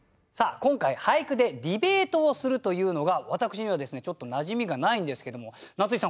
今回俳句でディベートをするというのが私にはちょっとなじみがないんですけども夏井さん